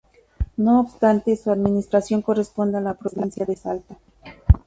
No obstante, su administración corresponde a la provincia de Salta.